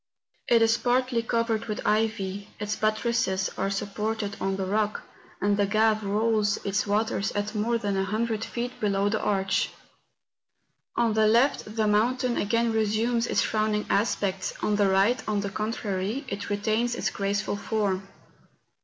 It is partly covered with ivy; its buttresses are supported on the rock; and the Grave rolls its THE BRECHE DE ROLAND. 119 waters at more than a liiindred feet below the arch. On the left, tlie mountain again resumes its frowning aspect; on tlie right, on the contrary, it retains its graceful form.